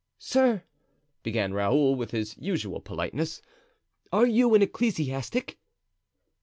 "Sir," began Raoul, with his usual politeness, "are you an ecclesiastic?"